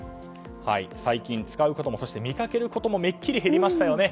最近使うこともそして見かけることもめっきり減りましたよね。